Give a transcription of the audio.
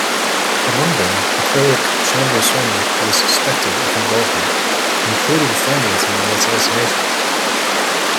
Among them, the cleric Chandraswami was suspected of involvement, including financing the assassination.